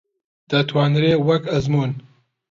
دەتوانرێ وەک ئەزموون